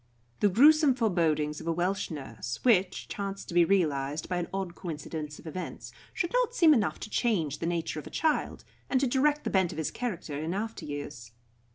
The gruesome forebodings of a Welsh nurse, which chanced to be realised by an odd coincidence of events, should not seem enough to change the nature of a child, and to direct the bent of his character in after years.